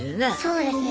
そうですね。